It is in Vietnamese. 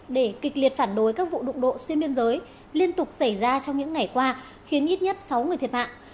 để kịch liệt phản đối các vụ đụng độ xuyên biên giới liên tục xảy ra trong những ngày qua khiến ít nhất sáu người thiệt mạng